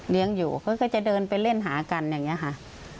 อยู่เขาก็จะเดินไปเล่นหากันอย่างนี้ค่ะ